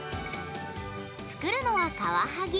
作るのは、カワハギ。